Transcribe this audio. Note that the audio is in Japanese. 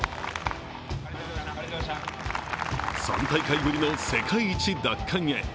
３大会ぶりの世界一奪還へ。